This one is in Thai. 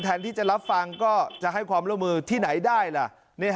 แทนที่จะรับฟังก็จะให้ความร่วมมือที่ไหนได้ล่ะ